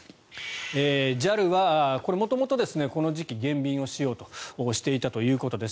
ＪＡＬはこれは元々この時期減便をしようとしていたということです。